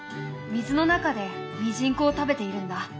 水の中でミジンコを食べているんだ。